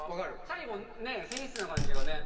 最後繊維質な感じがね。